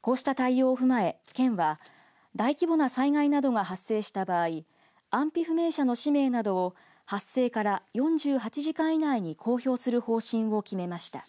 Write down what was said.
こうした対応を踏まえ県は大規模な災害などが発生した場合安否不明者の氏名などを発生から４８時間以内に公表する方針を決めました。